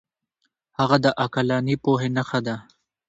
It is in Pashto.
هغه د عقلاني پوهې نښه ده.